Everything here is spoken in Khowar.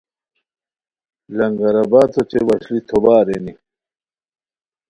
لنگر آباد اوچے وشلی توبہ ارینی